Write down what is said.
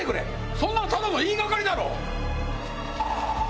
そんなのただの言い掛かりだろ！